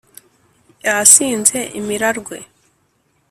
Yasinze imirarwe